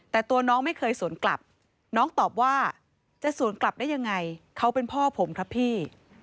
แต่ตัวน้องไม่เคยสวนกลับน้องตอบว่าจะสวนกลับได้ยังไงเขาเป็นพ่อผมครับพี่